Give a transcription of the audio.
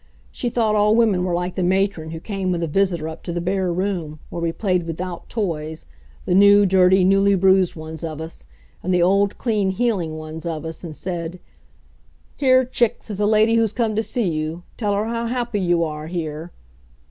She thought all women were like the matron who came with a visitor up to the bare room, where we played without toys the new, dirty, newly bruised ones of us, and the old, clean, healing ones of us and said, 'Here, chicks, is a lady who's come to see you. Tell her how happy you are here.'